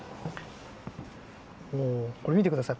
これ、見てください。